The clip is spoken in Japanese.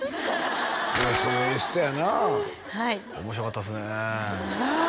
この人もええ人やなはい面白かったっすね